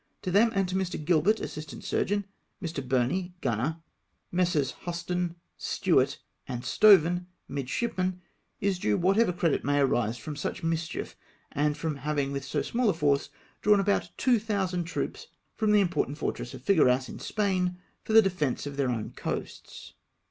To them, and to Mr. Gilbert, assistant surgeon, Mr. Burney, gunner, Messrs. Houston Stewart * and Stoven, midshipmen, is due whatever credit may arise from such mischief, and for having, with so small a force, drawn about 2000 troops from the important fortress of Figueras in Spain, for the defence of their own coasts.